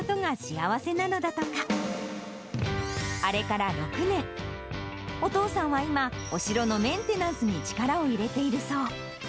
あれから６年、お父さんは今、お城のメンテナンスに力を入れているそう。